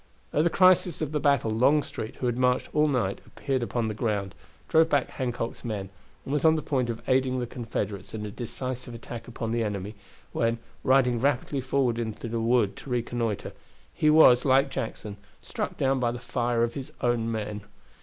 At the crisis of the battle, Longstreet, who had marched all night, appeared upon the ground, drove back Hancock's men, and was on the point of aiding the Confederates in a decisive attack upon the enemy, when, riding rapidly forward into the wood to reconnoiter, he was, like Jackson, struck down by the fire of his own men.